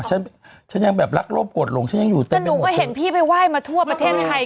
ฉันฉันยังแบบรักรบกดหลงฉันยังอยู่แต่หนูก็เห็นพี่ไปไหว้มาทั่วประเทศไทย